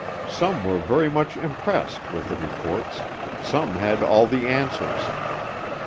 Some were very much impressed with the reports some had all the answers.